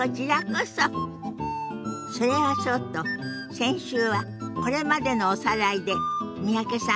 それはそうと先週はこれまでのおさらいで三宅さん